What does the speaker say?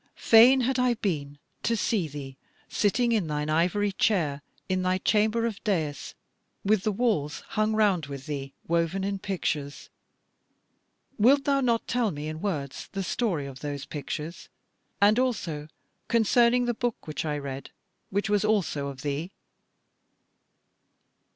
Fain had I been to see thee sitting in thine ivory chair in thy chamber of dais with the walls hung round with thee woven in pictures wilt thou not tell me in words the story of those pictures? and also concerning the book which I read, which was also of thee?"